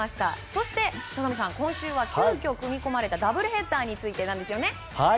そして、野上さん今週は急きょ組み込まれたダブルヘッダーについてですよね。